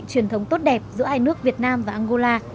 truyền thống tốt đẹp giữa hai nước việt nam và angola